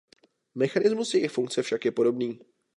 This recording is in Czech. Mechanismus jejich funkce však je podobný.